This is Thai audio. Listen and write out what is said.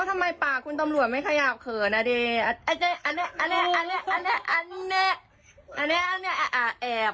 ไม่เข้าต้องเลยครับ